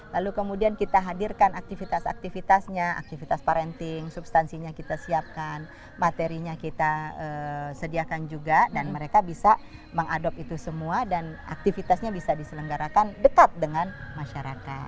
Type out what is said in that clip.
lalu kemudian kita hadirkan aktivitas aktivitasnya aktivitas parenting substansinya kita siapkan materinya kita sediakan juga dan mereka bisa mengadopt itu semua dan aktivitasnya bisa diselenggarakan dekat dengan masyarakat